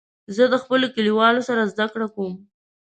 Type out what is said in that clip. زه د خپلو ټولګیوالو سره زده کړه کوم.